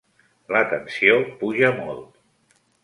La tensió puja molt.